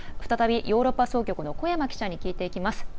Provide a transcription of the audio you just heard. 再びヨーロッパ総局の古山記者に聞いていきます。